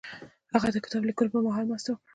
هغه د کتاب لیکلو پر مهال مرسته وکړه.